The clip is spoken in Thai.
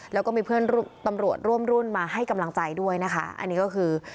แล้วก็มีเพื่อนตำรวจร่วมรุ่นมาให้กำลังใจด้วยนะคะอันนี้ก็คือ